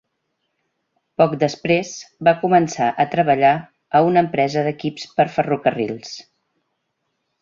Poc després va començar a treballar a una empresa d'equips per ferrocarrils.